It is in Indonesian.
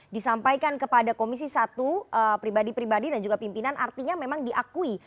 disampaikan kepada komisi satu pribadi pribadi dan juga pimpinan artinya memang diakui